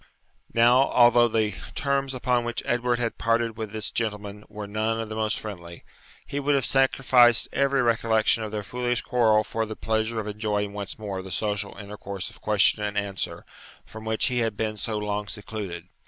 Now, although the terms upon which Edward had parted with this gentleman were none of the most friendly, he would have sacrificed every recollection of their foolish quarrel for the pleasure of enjoying once more the social intercourse of question and answer, from which he had been so long secluded.